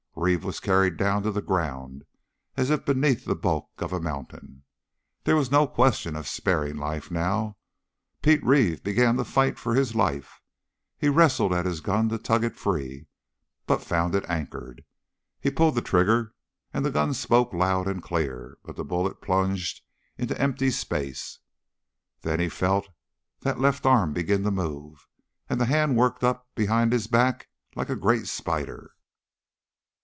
Reeve was carried down to the ground as if beneath the bulk of a mountain. There was no question of sparing life now. Pete Reeve began to fight for life. He wrestled at his gun to tug it free, but found it anchored. He pulled the trigger, and the gun spoke loud and clear, but the bullet plunged into empty space. Then he felt that left arm begin to move, and the hand worked up behind his back like a great spider.